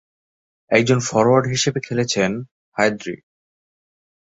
একজন ফরোয়ার্ড হিসেবে খেলছেন হায়দরি।